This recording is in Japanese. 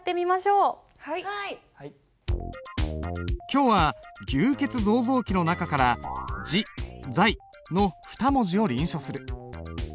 今日は「牛造像記」の中から「自在」の２文字を臨書する。